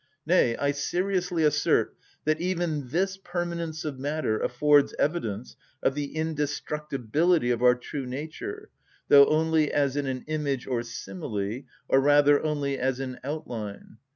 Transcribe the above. Nay, I seriously assert that even this permanence of matter affords evidence of the indestructibility of our true nature, though only as in an image or simile, or, rather, only as in outline.